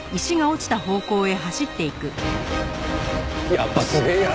やっぱすげえや！